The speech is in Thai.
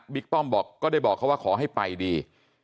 ป้อมบอกก็ได้บอกเขาว่าขอให้ไปดี